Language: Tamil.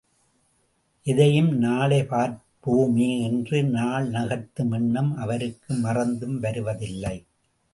எதையும் நாளை பார்ப்போமே என்று நாள் நகர்த்தும் எண்ணம் அவருக்கு மறந்தும் வருவதில்லை.